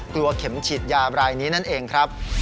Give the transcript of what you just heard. กลัวเข็มฉีดยาไรนี้นั่นเองครับ